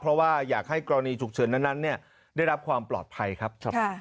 เพราะว่าอยากให้กรณีฉุกเฉินนั้นได้รับความปลอดภัยครับ